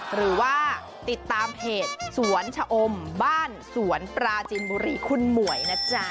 หรือว่าติดตามเพจสวนชะอมบ้านสวนปราจินบุรีคุณหมวยนะจ๊ะ